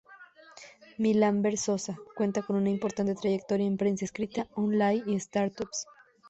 Millán Berzosa cuenta con una importante trayectoria en prensa escrita, online y startups.